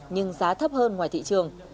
nhưng giá thấp hơn ngoài thị trường